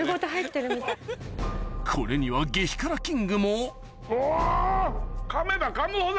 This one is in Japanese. これには激辛キングもうお！